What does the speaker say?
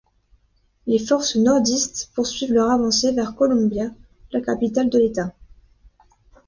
Les forces nordistes poursuivent leur avancée vers Columbia, la capitale de l'État.